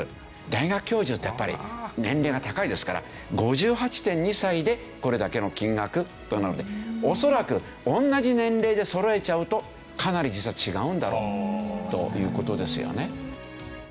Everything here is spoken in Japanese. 大学教授ってやっぱり年齢が高いですから５８．２歳でこれだけの金額となるので恐らく同じ年齢でそろえちゃうとかなり実は違うんだろうという事ですよね。